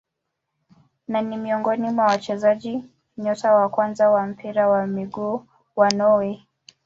Na ni miongoni mwa wachezaji nyota wa kwanza wa mpira wa miguu wa Norway.